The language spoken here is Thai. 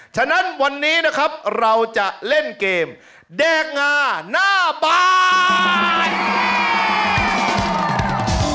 ฉะนั้นวันนี้นะครับเราจะเล่นเกมแดงงาหน้าบาน